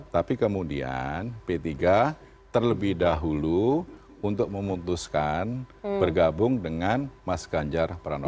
tapi kemudian p tiga terlebih dahulu untuk memutuskan bergabung dengan mas ganjar pranowo